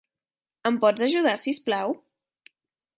Em pots ajudar, si us plau?